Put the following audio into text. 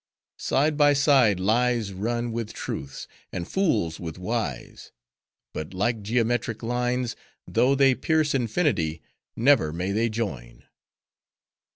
Side by side, Lies run with Truths, and fools with wise; but, like geometric lines, though they pierce infinity, never may they join."